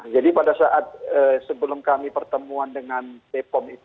jadi pada saat sebelum kami pertemuan dengan bepom